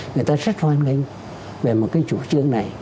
người ta rất hoan nghênh về một cái chủ trương này